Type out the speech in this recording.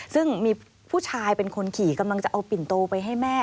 ซึ่งมีผู้ชายเป็นคนขี่กำลังจะเอาปิ่นโตไปให้แม่